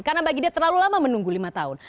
karena bagi dia terlalu lama menunggu lima tahun